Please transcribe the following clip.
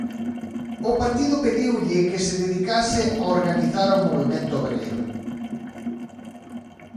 O partido pediulle que se dedicase a organizar o movemento obreiro.